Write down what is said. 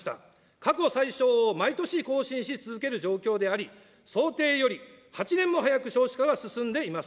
過去最少を毎年更新し続ける状況であり、想定より８年も早く少子化が進んでいます。